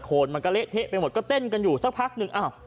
คนมันก็เละเทะไปหมดก็เต้นกันอยู่สักพักหนึ่งอ้าว